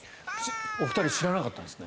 お二人知らなかったんですね。